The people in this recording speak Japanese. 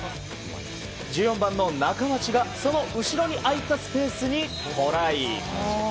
１４番の中町が、その後ろに空いたスペースにトライ。